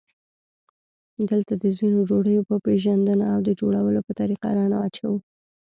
دلته د ځینو ډوډیو په پېژندنه او د جوړولو په طریقه رڼا اچوو.